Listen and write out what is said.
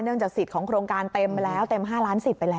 จากสิทธิ์ของโครงการเต็มแล้วเต็ม๕ล้านสิทธิไปแล้ว